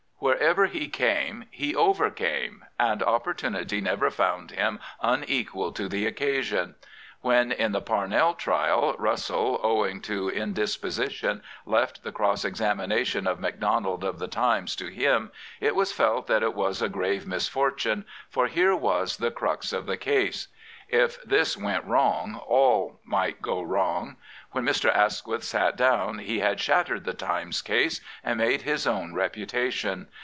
Wherever he came he overcame, and oppor tunity never found him unequal to the occasion. When in the Parnell trial Russell, owing to indis position, left the cross examination of Macdonald of the Timts to him, it was felt that it was a grave misfortune, for here was the crux of the case. If 6o The Premier this went wrong all might go wrong. When Mr. Asquith sat down he had shattered the Times case and made his own reputation.